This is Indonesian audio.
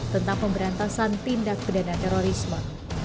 tentang pemberantasan tindak pidana terorisme